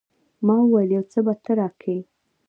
ما وويل يو څه به ته راکې.